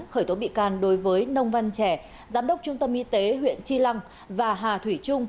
khởi tố bị can đối với nông văn trẻ giám đốc trung tâm y tế huyện chi lăng và hà thủy trung